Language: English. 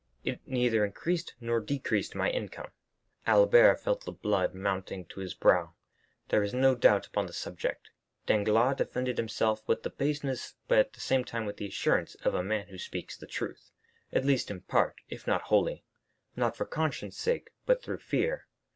It neither increased nor decreased my income." Albert felt the blood mounting to his brow; there was no doubt upon the subject. Danglars defended himself with the baseness, but at the same time with the assurance, of a man who speaks the truth, at least in part, if not wholly—not for conscience' sake, but through fear.